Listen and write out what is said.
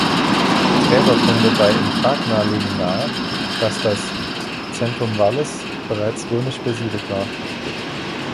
Gräberfunde bei Intragna legen nahe, dass das "Centum valles" bereits römisch besiedelt war.